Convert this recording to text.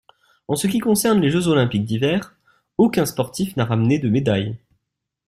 En ce qui concerne les Jeux olympiques d'hiver, aucun sportif n'a ramené de médaille.